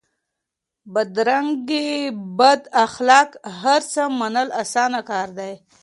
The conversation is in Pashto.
بدرنګي بداخلاق هرڅه منل اسان کار دی؛